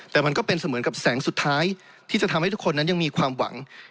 แต่มันก็เป็นเสมือนกับแสงสุดท้ายที่จะทำให้ทุกคนนั้นยังมีความหวัง